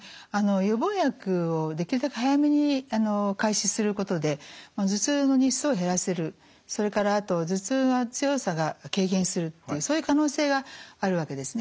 予防薬をできるだけ早めに開始することで頭痛の日数を減らせるそれからあと頭痛が強さが軽減するっていうそういう可能性があるわけですね。